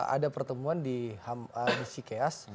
ada pertemuan di cikeas